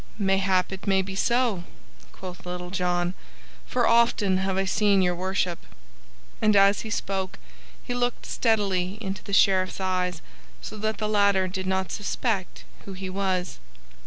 "Mayhap it may be so," quoth Little John, "for often have I seen Your Worship." And, as he spoke, he looked steadily into the Sheriff's eyes so that the latter did not suspect who he was.